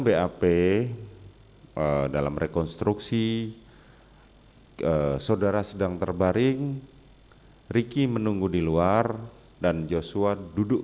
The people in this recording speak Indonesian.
bap dalam rekonstruksi saudara sedang terbaring ricky menunggu di luar dan joshua duduk